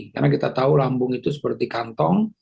karena kita tahu lambung itu seperti kantong